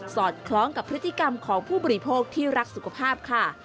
อดคล้องกับพฤติกรรมของผู้บริโภคที่รักสุขภาพค่ะ